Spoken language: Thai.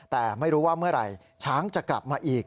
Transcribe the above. แต่ไม่รู้ว่าเมื่อไหร่ช้างจะกลับมาอีก